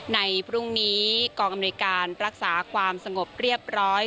ในพรุ่งนี้กองอำนวยการรักษาความสงบเรียบร้อย